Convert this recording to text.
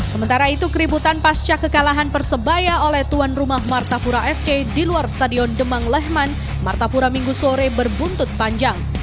sementara itu keributan pasca kekalahan persebaya oleh tuan rumah martapura fc di luar stadion demang lehman martapura minggu sore berbuntut panjang